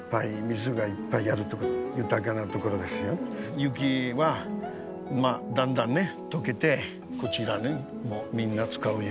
雪はだんだんね解けてこちらでみんな使うよ。